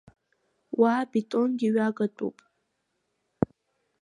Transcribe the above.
Уа абетонгьы ҩагатәуп.